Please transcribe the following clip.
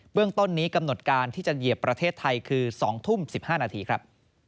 เรื่องต้นนี้กำหนดการที่จะเหยียบประเทศไทยคือ๒ทุ่ม๑๕นาทีครับ